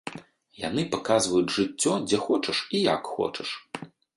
Яны паказваюць жыццё дзе хочаш і як хочаш.